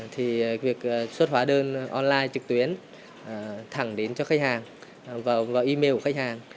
thì việc xuất hóa đơn online trực tuyến thẳng đến cho khách hàng và email của khách hàng